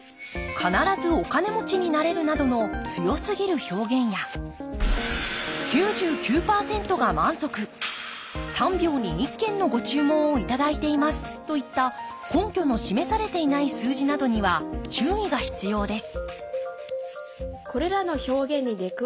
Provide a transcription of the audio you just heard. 「必ずお金持ちになれる」などの強すぎる表現や「９９％が満足」「３秒に１件のご注文を頂いています」といった根拠の示されていない数字などには注意が必要です